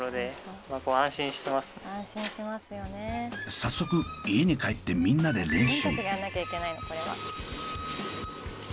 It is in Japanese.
早速家に帰ってみんなで練習。